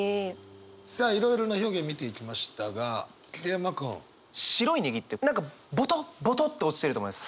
さあいろいろな表現見ていきましたが桐山君。「白い葱」って何かボトボトって落ちてると思います。